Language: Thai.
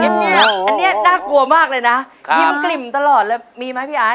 อันนี้น่ากลัวมากเลยนะยิ้มกลิ่มตลอดเลยมีไหมพี่ไอ้